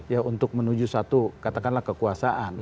ya untuk menuju satu katakanlah kekuasaan